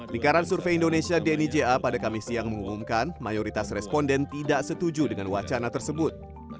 likaran survei indonesia dnija pada kamis siang mengumumkan mayoritas responden tidak setuju dengan wacana tersebut